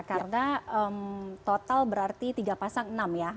karena total berarti tiga pasang enam ya